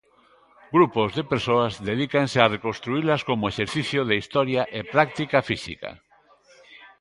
Grupos de persoas dedícanse a reconstruílas como exercicio de historia e práctica física.